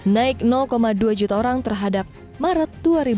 naik dua juta orang terhadap maret dua ribu dua puluh